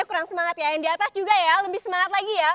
kurang semangat ya yang di atas juga ya lebih semangat lagi ya